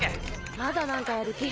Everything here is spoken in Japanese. まだ何かやる気？